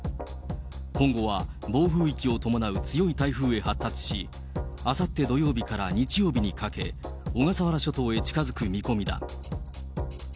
今後は暴風域を伴う強い台風へ発達し、あさって土曜日から日曜日にかけ、小笠原諸島へ近づく見込みだ。